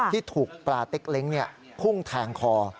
ที่ถูกปลาเต็กเล้งพุ่งแทงคอ